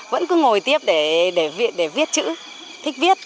vẫn cứ ngồi tiếp để viết chữ thích viết